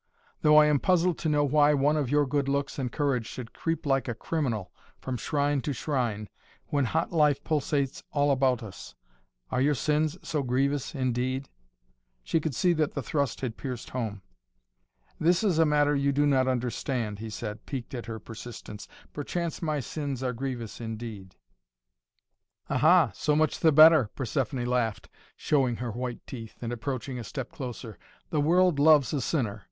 "Though I am puzzled to know why one of your good looks and courage should creep like a criminal from shrine to shrine, when hot life pulsates all about us. Are your sins so grievous indeed?" She could see that the thrust had pierced home. "This is a matter you do not understand," he said, piqued at her persistence. "Perchance my sins are grievous indeed." "Ah! So much the better," Persephoné laughed, showing her white teeth and approaching a step closer. "The world loves a sinner.